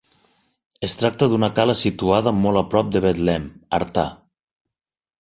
Es tracta d'una cala situada molt a prop de Betlem, Artà.